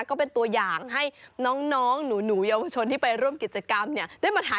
ก็เป็นตัวยางให้น้องหนูยาวทชนที่ไปร่วมกิจกรรมเนี๊ยะ